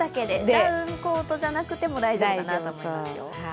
ダウンコートじゃなくても大丈夫だなと思いますよ。